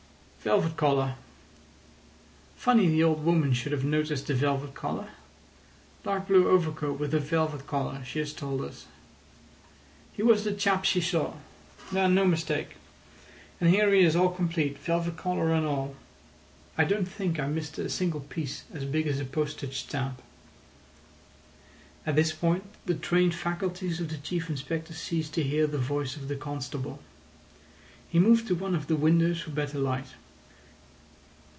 "Velvet collar. Funny the old woman should have noticed the velvet collar. Dark blue overcoat with a velvet collar, she has told us. He was the chap she saw, and no mistake. And here he is all complete, velvet collar and all. I don't think I missed a single piece as big as a postage stamp." At this point the trained faculties of the Chief Inspector ceased to hear the voice of the constable. He moved to one of the windows for better light.